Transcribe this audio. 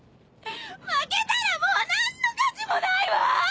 負けたらもう何の価値もないわ！